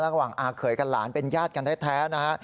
ระหว่างอาเขยกันหลานเป็นญาติกันแท้นะฮะ